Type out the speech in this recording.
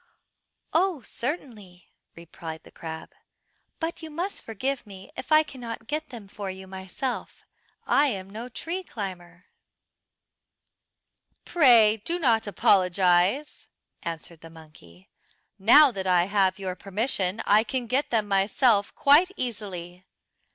"Oh, certainly," replied the crab, "but you must forgive me if I cannot get them for you myself. I am no tree climber." "Pray do not apologise," answered the monkey. "Now that I have your permission I can get them myself quite easily."